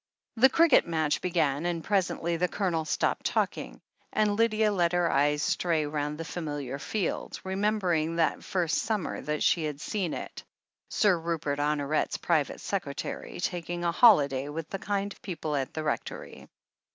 The cricket match began, and presently the Colonel stopped talking, and Lydia let her eyes stray round the familiar field, remembering that first summer that she had seen it — Sir Rupert Honoret's private secretary, taking a holiday with the kind people at the Rectory.